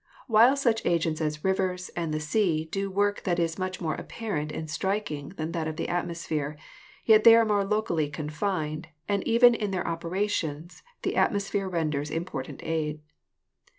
While such agents as rivers and the sea do work that is much more apparent and striking than that of the atmosphere, yet they are more locally confined, and even in their opera tions the atmosphere renders important aid.